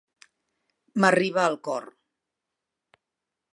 M'arriba al cor.